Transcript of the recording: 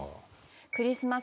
クリスマス